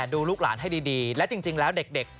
ดูลูกหลานให้ดีและจริงแล้วเด็ก